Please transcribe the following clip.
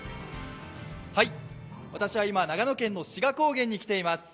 長野県の志賀高原に来ています。